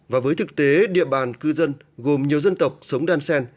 và với thực tế địa bàn cư dân gồm nhiều dân tộc sống đan sen